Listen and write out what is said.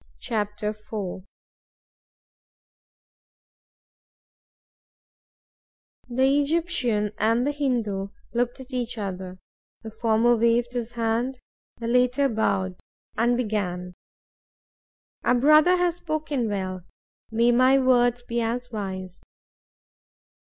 CHAPTER IV The Egyptian and the Hindoo looked at each other; the former waved his hand; the latter bowed, and began: "Our brother has spoken well. May my words be as wise."